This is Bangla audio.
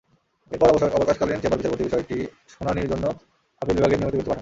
এরপর অবকাশকালীন চেম্বার বিচারপতি বিষয়টি শুনানির জন্য আপিল বিভাগের নিয়মিত বেঞ্চে পাঠান।